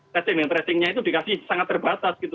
testing tracingnya itu dikasih sangat terbatas gitu